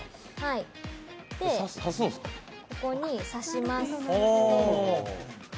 ここに刺します。